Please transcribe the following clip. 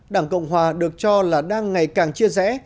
đảng cộng hòa được cho là đang ngày càng chia rẽ